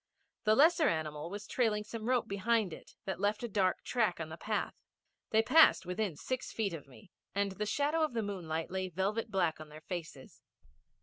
The lesser animal was trailing some rope behind it that left a dark track on the path. They passed within six feet of me, and the shadow of the moonlight lay velvet black on their faces.